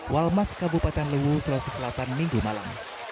walmas kabupaten leluhu sulawesi selatan minggu malam